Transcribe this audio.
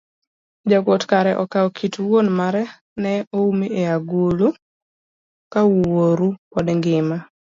Jakuot kare okawo kit wuon mare ne oumi e agulu, ka wuoru pod ngima